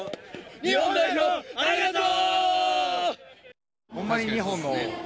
日本代表ありがとう！